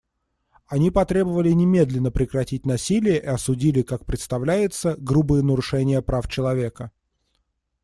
Они потребовали немедленно прекратить насилие и осудили, как представляется, грубые нарушения прав человека.